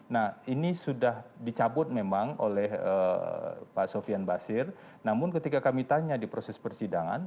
nah ini sudah dicabut memang oleh pak sofian basir namun ketika kami tanya di proses persidangan